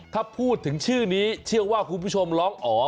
ถ้าพูดถึงชื่อนี้เชื่อว่าคุณผู้ชมร้องอ๋อ